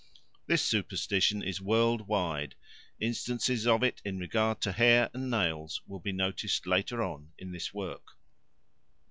This superstition is world wide; instances of it in regard to hair and nails will be noticed later on in this work.